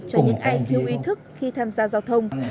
cho những ai thiếu ý thức khi tham gia giao thông